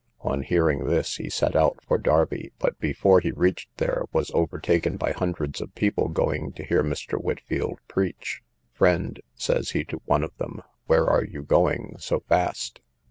On hearing this, he set out for Derby; but, before he reached there, was overtaken by hundreds of people going to hear Mr. Whitfield preach. Friend, says he to one of them, where are you going so fast?